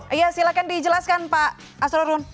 iya silahkan dijelaskan pak asrorun